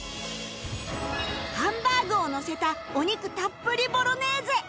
ハンバーグをのせたお肉たっぷりボロネーゼ